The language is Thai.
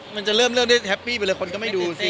มันจะเริ่มได้แฮปปี้ไปเลยคนก็ไม่ดูสิ